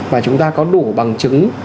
và chúng ta có đủ bằng chứng